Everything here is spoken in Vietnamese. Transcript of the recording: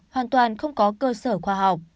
hoàn toàn không có cơ sở khoa học